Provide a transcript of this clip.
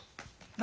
何？